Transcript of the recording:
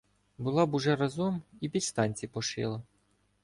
була б уже разом і підштанці пошила.